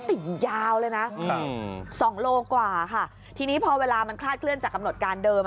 ติดยาวเลยนะสองโลกว่าค่ะทีนี้พอเวลามันคลาดเคลื่อนจากกำหนดการเดิม